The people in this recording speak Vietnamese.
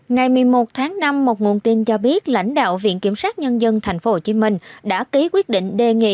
ngày một mươi một tháng năm một nguồn tin cho biết lãnh đạo viện kiểm sát nhân dân tp hcm đã ký quyết định đề nghị